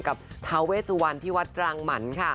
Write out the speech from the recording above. กับทาวเวสวันที่วัดรังหมันค่ะ